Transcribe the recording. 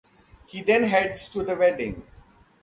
He then heads to the wedding.